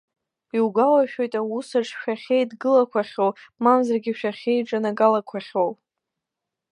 Иугәалашәоит аусаҿ шәахьеидгылақәахьоу, мамзаргьы шәахьеиҿанагалақәахьоу.